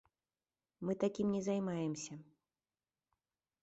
Мы такім не займаемся.